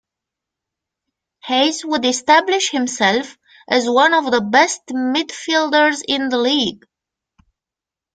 Hayes would establish himself as one of the best midfielders in the league.